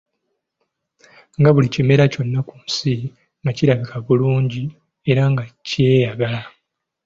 Nga buli kimera kyonna ku nsi nga kirabika bulungi era nga kyeyagala.